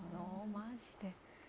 マジで？